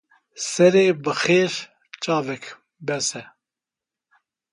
Serê bi xêr çavek bes e